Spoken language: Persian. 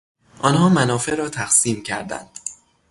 آنها منافع را تقسیم کردند.